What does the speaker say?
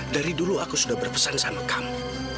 dari dulu aku sudah berpesan sama kamu